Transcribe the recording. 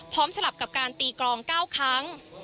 สลับกับการตีกรอง๙ครั้ง